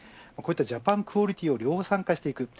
こういった、ジャパンクオリティーを量産化する